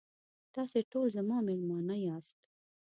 تاسې ټول زما میلمانه یاست.